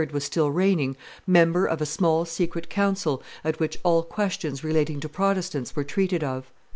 was still reigning, member of a small secret council at which all questions relating to Protestants were treated of.